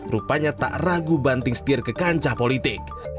rupanya tak ragu banting setir ke kancah politik